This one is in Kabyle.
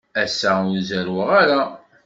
Ass-a, ur zerrweɣ ara.